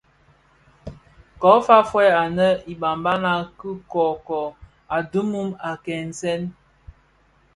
Ko fa fœug anè yè ibabana ki kōkōg a dhimum a kè nsèň.